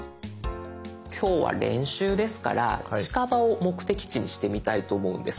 今日は練習ですから近場を目的地にしてみたいと思うんです。